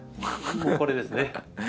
これですね。